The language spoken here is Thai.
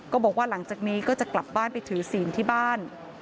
ก็บอกว่าหลังจากนี้ก็จะกลับบ้านไปถือศีลที่บ้าน